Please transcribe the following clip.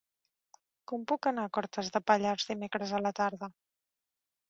Com puc anar a Cortes de Pallars dimecres a la tarda?